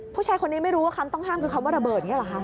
ผู้ชายคนนี้ไม่รู้ว่าคำต้องห้ามคือคำว่าระเบิดอย่างนี้หรอคะ